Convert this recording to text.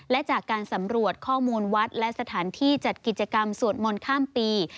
และจากการสำรวจข้อมูลวัดและสถานที่จัดกิจกรรมสวดมนต์ข้ามปี